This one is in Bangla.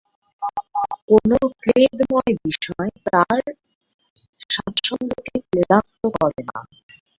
কোন ক্লেদময় বিষয় তাঁর স্বাচ্ছন্দকে ক্লেদাক্ত করে না।